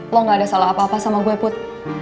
lo gak ada salah apa apa sama gue put